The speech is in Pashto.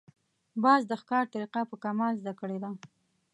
باز د ښکار طریقه په کمال زده کړې ده